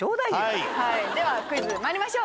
ではクイズ参りましょう。